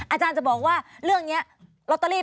อาจารย์จะบอกว่าเรื่องนี้ลอตเตอรี่